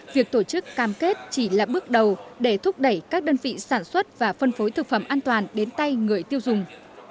việc tổ chức cam kết chỉ là bước đầu để thúc đẩy các đơn vị sản xuất và phân phối thực phẩm an toàn đến tay người tiêu dùng